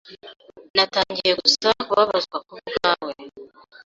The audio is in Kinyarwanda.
Natangiye gusa kubabazwa kubwawe